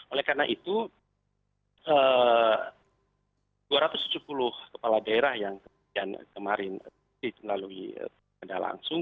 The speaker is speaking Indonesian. oleh karena itu dua ratus tujuh puluh kepala daerah yang kemudian kemarin melalui kendala langsung